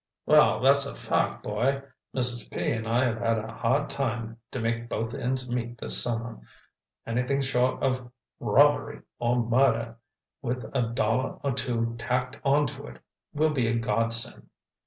"Well, that's a fact, boy. Mrs. P. and I have had a hard time to make both ends meet this summer. Anything short of robbery or murder with a dollar or two tacked onto it will be a godsend.